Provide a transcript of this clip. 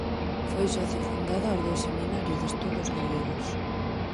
Foi socio fundador do Seminario de Estudos Galegos.